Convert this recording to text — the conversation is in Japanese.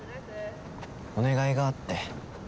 「お願いがあって」